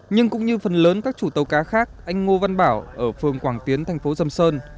nhưng cũng như phần lớn các chủ tàu cá khác anh ngô văn bảo ở phường quảng tiến thành phố sầm sơn